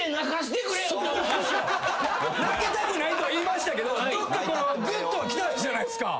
泣きたくないとは言いましたけどグッとはきたじゃないですか。